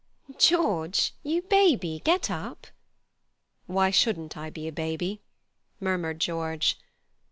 "George, you baby, get up." "Why shouldn't I be a baby?" murmured George.